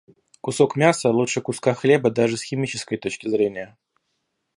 Кусок мяса лучше куска хлеба даже с химической точки зрения.